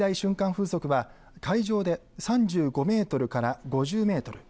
風速は海上で３５メートルから５０メートル